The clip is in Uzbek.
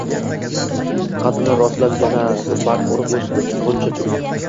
Qaddini rostlab yana barq urib o’sdi. G’uncha tugdi.